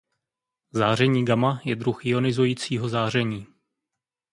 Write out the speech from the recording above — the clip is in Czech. Záření gama je druh ionizujícího záření.